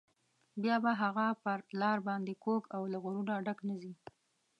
بیا به هغه پر لار باندې کوږ او له غروره ډک نه ځي.